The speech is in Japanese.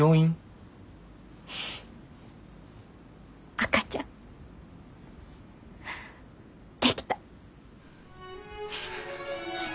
赤ちゃんできた。